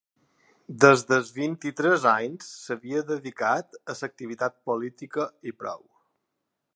Des dels vint-i-tres anys s’havia dedicat a l’activitat política i prou.